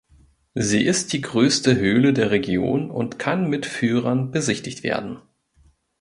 Sie ist die größte Höhle der Region und kann mit Führern besichtigt werden.